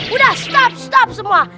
udah stop stop semua